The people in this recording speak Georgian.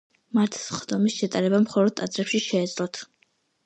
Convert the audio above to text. მათ სხდომის ჩატარება მხოლოდ ტაძრებში შეეძლოთ.